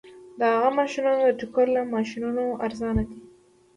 د هغه ماشینونه د ټوکر له ماشینونو ارزانه دي